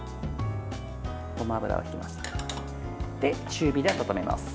ごま油を入れます。